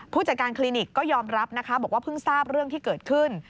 ผู้จัดการคลินิกก็ยอมรับนะคะบอกว่าเพิ่งทราบเรื่องที่เกิดขึ้น